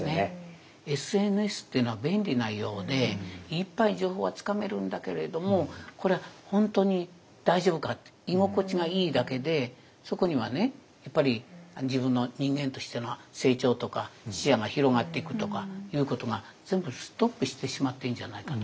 ＳＮＳっていうのは便利なようでいっぱい情報はつかめるんだけれどもこれは本当に大丈夫かって居心地がいいだけでそこにはねやっぱり自分の人間としての成長とか視野が広がっていくとかいうことが全部ストップしてしまってんじゃないかと。